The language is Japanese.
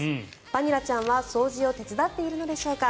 バニラちゃんは掃除を手伝っているのでしょうか。